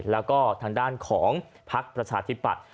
แล้วก็ทางด้านของพักประชาธิปัตย